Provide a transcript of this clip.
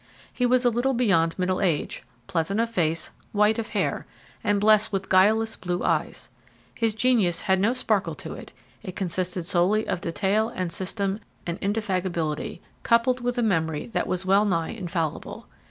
He was a little beyond middle age, pleasant of face, white of hair, and blessed with guileless blue eyes. His genius had no sparkle to it; it consisted solely of detail and system and indefatigability, coupled with a memory that was well nigh infallible.